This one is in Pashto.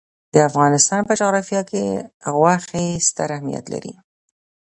د افغانستان په جغرافیه کې غوښې ستر اهمیت لري.